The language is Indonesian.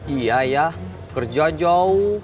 iya ya kerja jauh